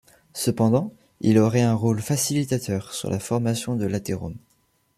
Cependant, il aurait un rôle facilitateur sur la formation de l'athérome.